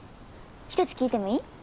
１つ聞いてもいい？